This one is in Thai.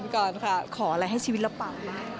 ขออะไรให้ชีวิตละเปล่านะ